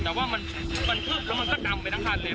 แต่ว่ามันมันพึ่งแล้วมันก็ดำไปทั้งทางเนี้ย